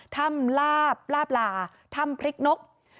ถ้ำลาบลาบลาถ้ำพริกนก